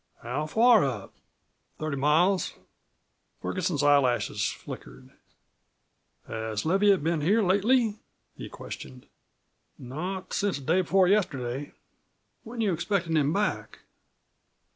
"How far up?" "Thirty miles." Ferguson's eyelashes flickered. "Has Leviatt been here lately?" he questioned. "Not since the day before yesterday." "When you expectin' him back?"